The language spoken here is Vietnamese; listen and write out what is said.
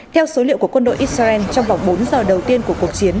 theo số liệu của quân đội israel trong vòng bốn giờ đầu tiên của cuộc chiến